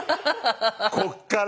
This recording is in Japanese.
こっから？